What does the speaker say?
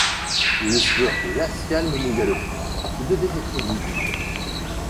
Une sueur glaciale me mouilla le front ; je devais être livide.